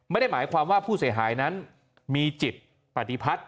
ไม่ได้หมายความว่าผู้เสียหายนั้นมีจิตปฏิพัฒน์